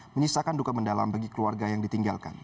menyisakan duka mendalam bagi keluarga yang ditinggalkan